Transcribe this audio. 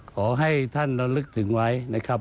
ขอให้ท่านระลึกถึงไว้นะครับ